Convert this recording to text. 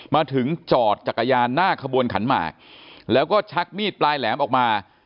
มาถึงจอดจักรยานหน้าขบวนขันหมากแล้วก็ชักมีดปลายแหลมออกมา